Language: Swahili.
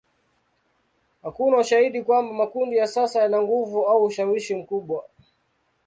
Hakuna ushahidi kwamba makundi ya sasa yana nguvu au ushawishi mkubwa.